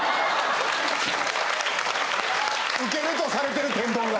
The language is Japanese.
ウケるとされてるてんどんが。